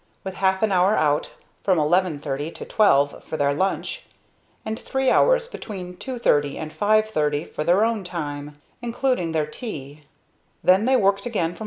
with half an hour out, from 11.30 to twelve, for their lunch; and three hours, between 2.20 and 5.30, for their own time, including their tea. Then they worked again from 5.